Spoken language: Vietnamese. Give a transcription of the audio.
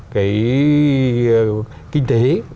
cái kinh tế